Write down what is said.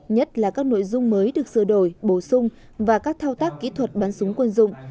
nhất là các nội dung mới được sửa đổi bổ sung và các thao tác kỹ thuật bắn súng quân dụng